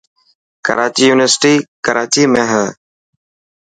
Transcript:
ڪراچي يونيورسٽي ڪراچي ۾ هي.